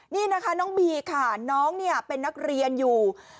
นี่นะคะน้องบีค่ะน้องเนี่ยเป็นนักเรียนอยู่